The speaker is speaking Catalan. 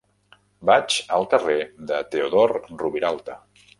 Vaig al carrer de Teodor Roviralta.